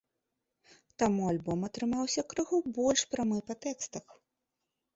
Таму альбом атрымаўся крыху больш прамы па тэкстах.